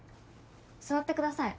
座ってください。